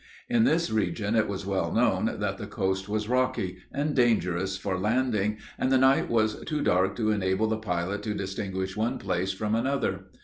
In this region it was well known, that the coast was rocky, and dangerous for landing, and the night was too dark to enable the pilot to distinguish one place from another.